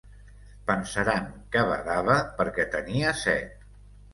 Pensaran que badava perquè tenia set.